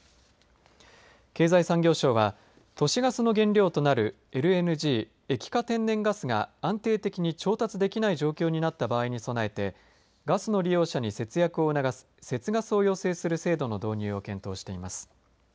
経済産業省は都市ガスの原料となるＬＮＧ、液化天然ガスが安定的に調達できない状況になった場合に備えてガスの利用者に節約を促す節ガスを要請する制度の導入を検討しています。